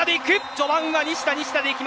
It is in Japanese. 序盤は西田、西田でいく。